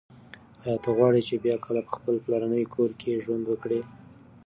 ایا ته غواړي چې بیا کله په خپل پلرني کور کې ژوند وکړې؟